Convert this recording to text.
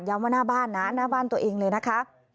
ว่าหน้าบ้านนะหน้าบ้านตัวเองเลยนะคะ